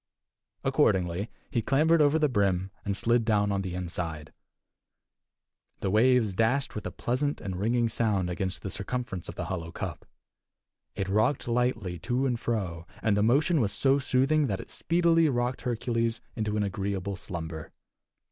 Accordingly, he clambered over the brim, and slid down on the inside. The waves dashed with a pleasant and ringing sound against the circumference of the hollow cup; it rocked lightly to and fro, and the motion was so soothing that it speedily rocked Hercules into an agreeable slumber.